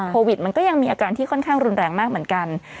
โควิดมันก็ยังมีอาการที่ค่อนข้างรุนแรงมากเหมือนกัน